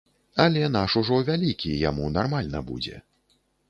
Але наш ужо вялікі, яму нармальна будзе.